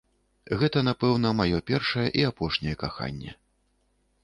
Гэта, напэўна, маё першае і апошняе каханне.